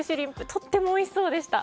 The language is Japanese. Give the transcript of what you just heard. とてもおいしそうでした。